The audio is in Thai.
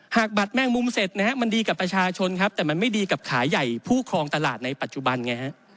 หากบัตรแมงมุมเสร็จนะฮะมันดีกับประชาชนครับแต่มันไม่ดีกับขายใหญ่ผู้ครองตลาดในปัจจุบันไงฮะ